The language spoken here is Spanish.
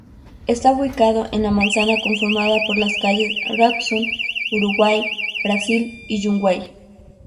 Está ubicado en la manzana conformada por las calles Rawson, Uruguay, Brasil y Yungay.